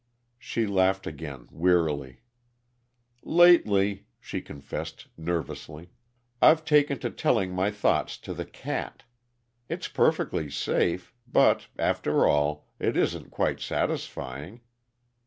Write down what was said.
She laughed again wearily. "Lately," she confessed nervously, "I've taken to telling my thoughts to the cat. It's perfectly safe, but, after all, it isn't quite satisfying."